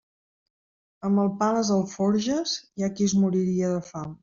Amb el pa a les alforges, hi ha qui es moriria de fam.